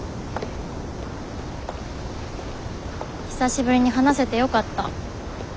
久しぶりに話せてよかった。